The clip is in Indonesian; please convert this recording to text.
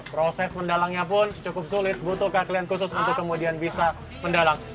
proses mendalangnya pun cukup sulit butuh keahlian khusus untuk kemudian bisa mendalang